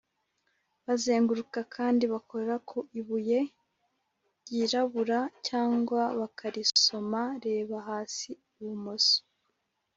bazenguruka kandi bakora ku ibuye ryirabura cyangwa bakarisoma (reba hasi ibumoso